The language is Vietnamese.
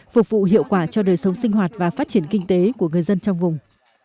phục vụ hiệu quả cho đời sống sinh hoạt và phát triển kinh tế của người dân trong vùng